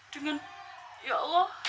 dengan ya allah